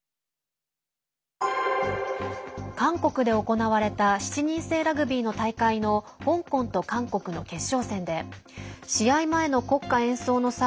韓国で行われた７人制ラグビーの大会の香港と韓国の決勝戦で試合前の国歌演奏の際